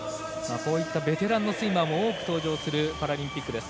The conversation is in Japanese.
こういったベテランのスイマーも多く登場するパラリンピックです。